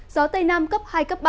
gió tây nam cấp hai ba